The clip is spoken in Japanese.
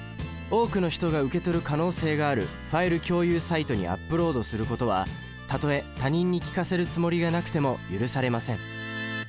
多くの人が受け取る可能性があるファイル共有サイトにアップロードすることはたとえ他人に聴かせるつもりがなくても許されません。